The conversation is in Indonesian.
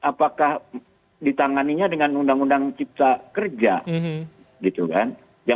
apakah ditanganinya dengan undang undang cipta kerja gitu kan